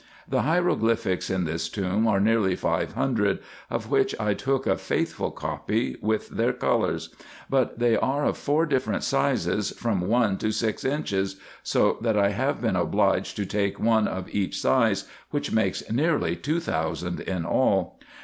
The hieroglyphics in this tomb are nearly five hundred, of which I took a faithful copy, with their colours ; but they are of four different sizes, from one to six inches ; so that I have been obliged to take one of each size, which makes nearly two thousand in all.